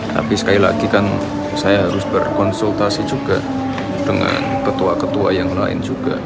tapi sekali lagi kan saya harus berkonsultasi juga dengan ketua ketua yang lain juga